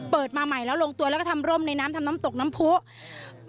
เปิดมาใหม่แล้วลงตัวแล้วก็ทำร่มในน้ำทำน้ำตกน้ำผู้